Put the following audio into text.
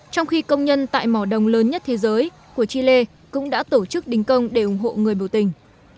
trong khi công nhân tại mỏ đồng lớn nhất thế giới của chile cũng đã tổ chức đình công để ủng hộ người biểu tình